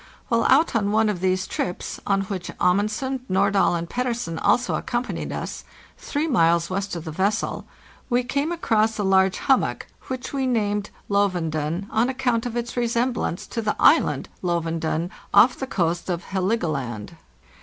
While out on one of these trips, on which Amundsen, Nordahl, and Pettersen also accompanied us, 3 miles west of the vessel we came across a large hummock, which we named " Lovunden," on:account of its resemblance to the island " Lovunden," off the coast of Helgoland.